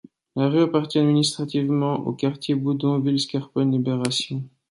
La rue appartient administrativement au quartier Boudonville - Scarpone - Libération.